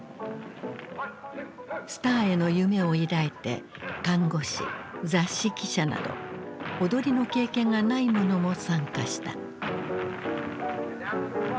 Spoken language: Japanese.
スターへの夢を抱いて看護師雑誌記者など踊りの経験がない者も参加した。